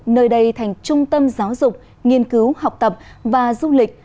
nơi đây thành trung tâm giáo dục nghiên cứu học tập và du lịch